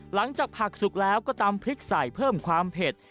หลังจากผักสุกแล้วก็ตำพริกใส่เพิ่มความเผ็ด